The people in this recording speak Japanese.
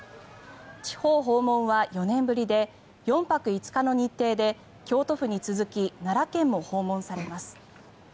地方訪問は４年ぶりで４泊５日の日程で京都府に続き奈良県も訪問されます。